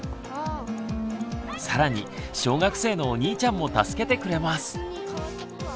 更に小学生のお兄ちゃんも助けてくれます。